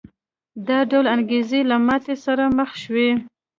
دا ډول انګېزې له ماتې سره مخ شوې.